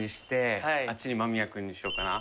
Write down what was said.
あっちに間宮君にしようかな。